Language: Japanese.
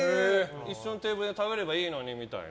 一緒のテーブルで食べればいいのにみたいな。